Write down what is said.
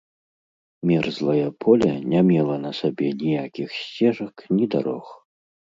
Мерзлае поле не мела на сабе ніякіх сцежак ні дарог.